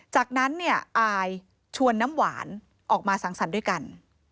จากนั้นเนี่ยอายชวนน้ำหวานออกมาสังสรรค์ด้วยกัน